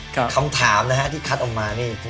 คำถามนะฮะที่คัดออกมานี่